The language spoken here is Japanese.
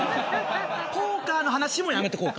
ポーカーの話もやめておこうか。